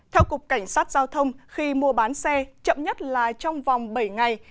theo cục cảnh sát giao thông khi mua bán xe chậm nhất là trong vòng bảy ngày